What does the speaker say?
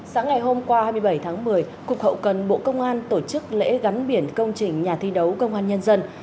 sáng ngày hôm qua hai mươi bảy tháng một mươi cục hậu cần bộ công an tổ chức lễ gắn biển công trình nhà thi đấu công an nhân dân